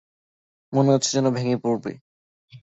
মনে হচ্ছে যেনো ভেঙে পড়বে।